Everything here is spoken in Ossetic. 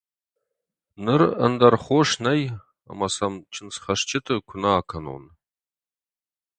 Ныр ӕндӕр хос нӕй ӕмӕ сӕм чындзхӕсджыты куынӕ акӕнон.